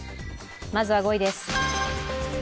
まずは５位です。